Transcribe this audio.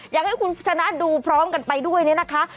อยากให้คุณชนะดูพร้อมกันไปด้วยเนี่ยนะคะ